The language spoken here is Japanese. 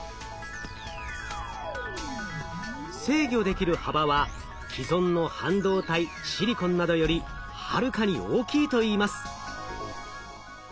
制御できる幅は既存の半導体シリコンなどよりはるかに大きいといいます。